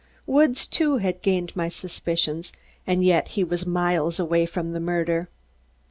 Woods, too, had gained my suspicions, and yet he was miles away from the murder.